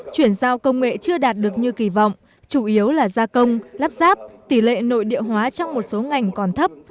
chuyển giao công nghệ chưa đạt được như kỳ vọng chủ yếu là gia công lắp ráp tỷ lệ nội địa hóa trong một số ngành còn thấp